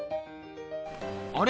あれ？